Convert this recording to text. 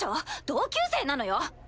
同級生なのよ？